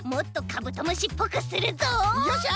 よっしゃ！